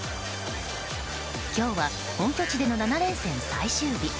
今日は本拠地での７連戦最終日。